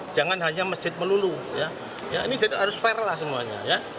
jangan hanya masjid melulu ya ini jadi harus fair lah semuanya ya